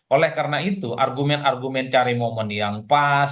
oleh karena itu argumen argumen cari momen yang pas